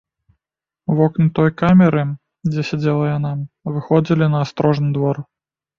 Вокны той камеры, дзе сядзела яна, выходзілі на астрожны двор.